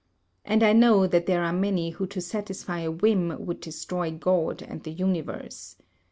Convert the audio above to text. And I know that there are many who to satisfy a whim would destroy God and the universe.